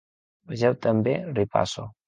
Vegeu també Ripasso.